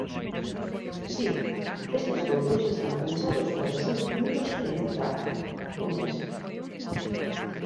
"Si, estes contos están pensados para ser lidos en voz alta", confesa.